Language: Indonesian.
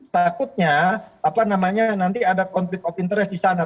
takutnya nanti ada konflik of interest di sana